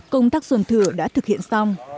công tác xuân thừa đã thực hiện xong